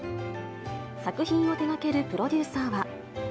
作品を手がけるプロデューサーは。